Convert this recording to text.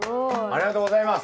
ありがとうございます。